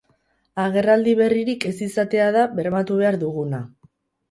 Agerraldi berririk ez izatea da bermatu behar duguna.